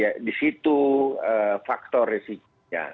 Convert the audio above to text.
nah disitu faktor resikonya